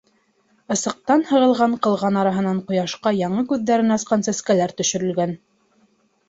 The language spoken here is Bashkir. Ысыҡтан һығылған ҡылған араһынан ҡояшҡа яңы күҙҙәрен асҡан сәскәләр төшөрөлгән.